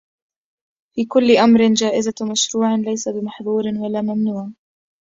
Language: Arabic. في كل أمر جائز مشروع ليس بمحظور ولا ممنوع